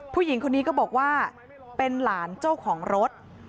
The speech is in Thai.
ผู้หญิงคนนี้ก็บอกว่าเป็นหลานเจ้าของรถ